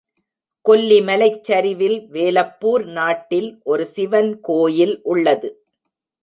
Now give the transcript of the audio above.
கொல்லி மலைச் சரிவில் வேலப்பூர் நாட்டில் ஒரு சிவன் கோயில் உள்ளது.